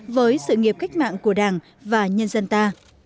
với sự nghiệp cách mạng của đảng và nhân dân ta